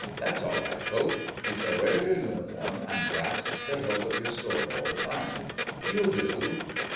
That's all right, Coke. You shall wear your uniform and grasp the hilt of your sword all the time. You'll do."